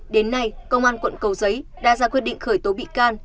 đến nay công an quận cầu giấy đã ra quyết định khởi tố bị can